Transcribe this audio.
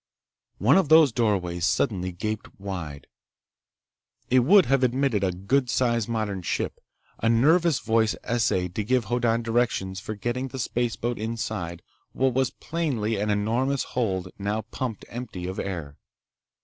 One of those doorways suddenly gaped wide. It would have admitted a good sized modern ship. A nervous voice essayed to give Hoddan directions for getting the spaceboat inside what was plainly an enormous hold now pumped empty of air.